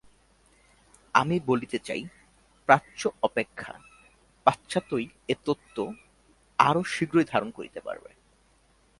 আমি বলিতে চাই, প্রাচ্য অপেক্ষা পাশ্চাত্যই এ তত্ত্ব আরও শীঘ্র ধারণা করিতে পারিবে।